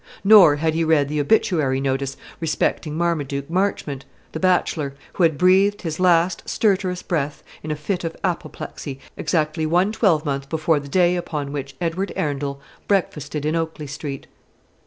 Nor had he read the obituary notice respecting Marmaduke Marchmont, the bachelor, who had breathed his last stertorous breath in a fit of apoplexy exactly one twelvemonth before the day upon which Edward Arundel breakfasted in Oakley Street.